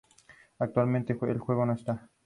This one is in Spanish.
Dirigido por Hannah Lux Davis.